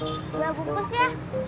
bisa bungkus ya